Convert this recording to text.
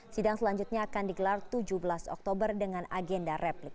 sidang selanjutnya akan digelar tujuh belas oktober dengan agenda replik